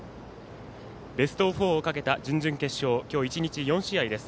ベスト４をかけた準々決勝今日１日、４試合です。